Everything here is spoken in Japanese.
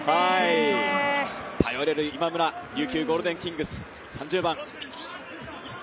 頼れる今村、琉球ゴールデンキングス、３０番。